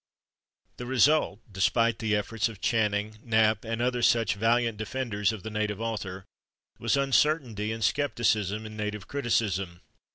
The result, despite the efforts of Channing, Knapp and other such valiant defenders of the native author, was uncertainty and skepticism in native criticism.